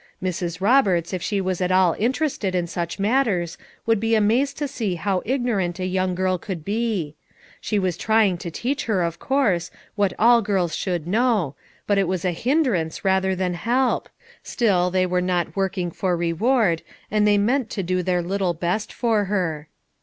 Mrs. Roberts if she was at all in terested in such matters would be amazed to see how ignorant a young girl could be; she was trying to teach her, of course, what all girls should know, but it was a hindrance, rather than help; still, they were not working for reward, and they meant to do their little best for her.